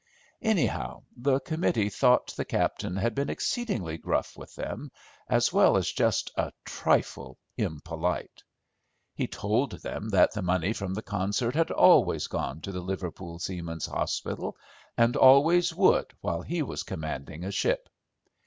Anyhow, the committee thought the captain had been exceedingly gruff with them, as well as just a trifle impolite. He told them that the money from the concerts had always gone to the Liverpool Seamen's Hospital, and always would while he was commanding a ship.